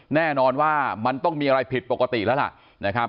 แน่นอนว่ามันต้องมีอะไรผิดปกติแล้วล่ะนะครับ